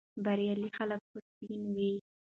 بریالي خلک خوشبین وي.